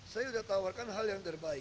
saya sudah tawarkan hal yang terbaik